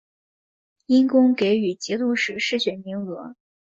因功给予节度使世选名额。